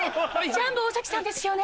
ジャンボ尾崎さんですよね？